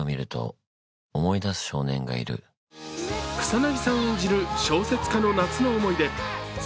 草なぎさん演じる小説家の夏の思い出。